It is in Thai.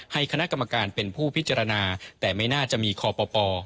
คณะกรรมการเป็นผู้พิจารณาแต่ไม่น่าจะมีคอปป